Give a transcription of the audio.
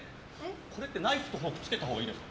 これってナイフとフォークつけたほうがいいですか？